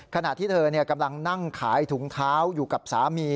ขณะที่เธอกำลังนั่งขายถุงเท้าอยู่กับสามี